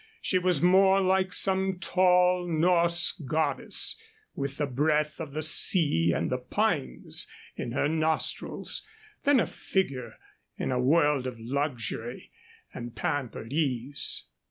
She was more like some tall Norse goddess, with the breath of the sea and the pines in her nostrils, than a figure in a world of luxury and pampered ease.